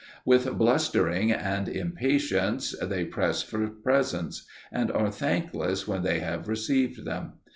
With blustering and impatience they press for presents, and are thankless when they have received them.